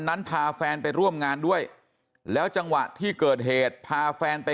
นั้นพาแฟนไปร่วมงานด้วยแล้วจังหวะที่เกิดเหตุพาแฟนไป